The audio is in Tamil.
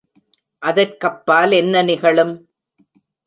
அதற்கப்பால் என்ன நிகழும்?